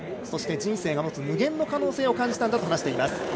そして人生が持つ無限の可能性を感じたんだと話しています。